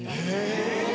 え！